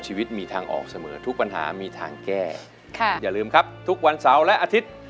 ชีวิตมีทางออกเสมอทุกปัญหามีทางแก้ค่ะอย่าลืมครับทุกวันเสาร์และอาทิตย์